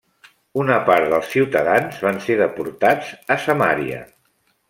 Una part dels ciutadans van ser deportats a Samària.